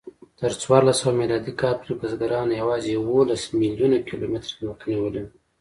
تر څوارلسسوه میلادي کال پورې بزګرانو یواځې یوولس میلیونه کیلومتره ځمکه نیولې وه.